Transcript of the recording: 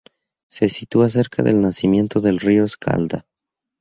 Se sitúa cerca del nacimiento del río Escalda.